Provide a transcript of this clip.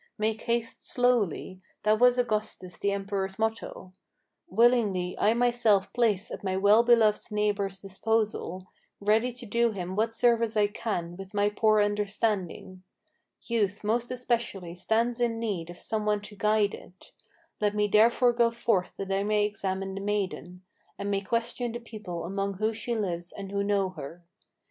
Make haste slowly: that was Augustus the emperor's motto. Willingly I myself place at my well beloved neighbor's disposal, Ready to do him what service I can with my poor understanding. Youth most especially stands in need of some one to guide it. Let me therefore go forth that I may examine the maiden, And may question the people among whom she lives and who know her.